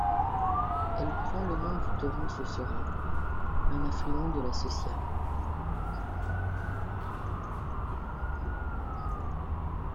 Elle prend le nom du torrent Sessera, un affluent de la Sesia.